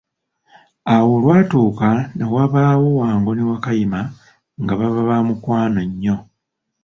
Awo olwatuuka na wabaawo Wango ne Wakayima nga baba bamukwano nnyo